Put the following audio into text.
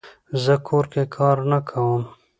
زه کور کې کار نه کووم